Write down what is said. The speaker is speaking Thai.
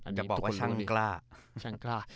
จะบอกว่าช่างกล้า